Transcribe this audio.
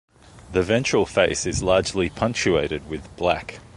The ventral face is largely punctuated with black.